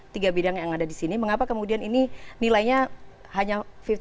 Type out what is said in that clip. tiga bidang yang ada disini mengapa kemudian ini nilainya hanya lima puluh lima puluh